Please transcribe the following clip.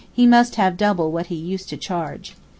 he must have double what he used to charge.